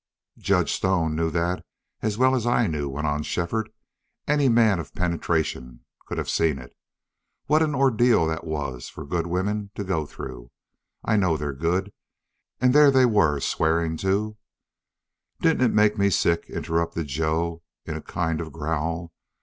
"Judge Stone knew that as well as I knew," went on Shefford. "Any man of penetration could have seen it. What an ordeal that was for good women to go through! I know they're good. And there they were swearing to " "Didn't it make me sick?" interrupted Joe in a kind of growl.